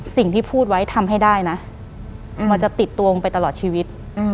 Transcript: สิ่งที่พูดไว้ทำให้ได้นะมันจะติดตัวลงไปตลอดชีวิต